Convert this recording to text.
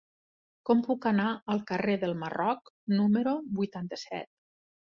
Com puc anar al carrer del Marroc número vuitanta-set?